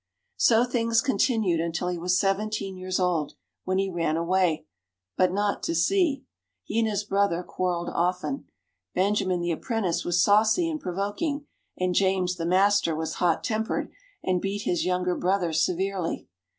So things continued until he was seventeen years old, when he ran away but not to sea. He and his brother quarrelled often. Benjamin the apprentice was saucy and provoking, and James the master was hot tempered and beat his younger brother severely.